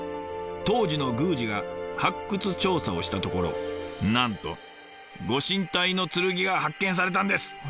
当時の宮司が発掘調査をしたところなんとご神体の剣が発見されたんです！